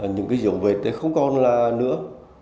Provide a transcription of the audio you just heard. những cái diệu vệt thì không còn là nữa